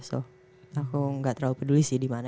so aku gak terlalu peduli sih di mana